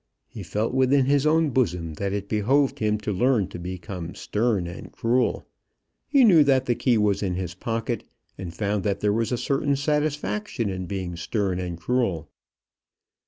He felt within his own bosom that it behoved him to learn to become stern and cruel. He knew that the key was in his pocket, and found that there was a certain satisfaction in being stern and cruel.